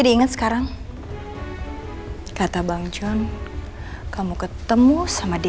enggak aku gak pernah ketemu sama dia